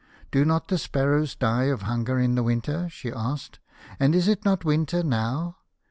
" Do not the sparrows die of hunger in the winter ?" she asked. " And is it not winter now